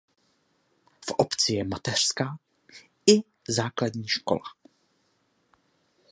V obci je mateřská i základní škola.